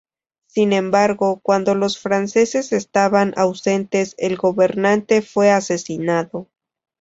Sin embargo, cuando los franceses estaban ausentes el gobernante fue asesinado.